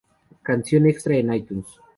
Canción extra en iTunes